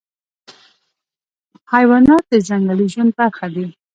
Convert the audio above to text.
حیوانات د ځنګلي ژوند برخه دي.